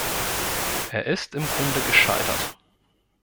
Er ist im Grunde gescheitert.